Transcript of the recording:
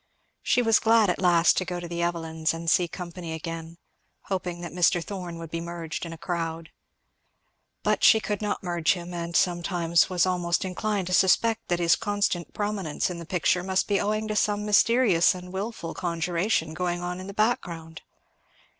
She was glad at last to go to the Evelyns and see company again, hoping that Mr. Thorn would be merged in a crowd. But she could not merge him; and sometimes was almost inclined to suspect that his constant prominence in the picture must be owing to some mysterious and wilful conjuration going on in the background.